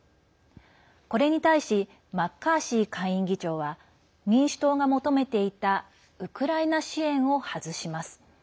これに対しマッカーシー下院議長は民主党が求めていたウクライナ支援を外します。